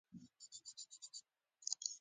کاري موبایل ته زنګ راغی چې د کار موټر راوباسه